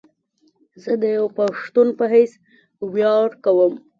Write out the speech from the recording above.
زه ديوه پښتون په حيث وياړ کوم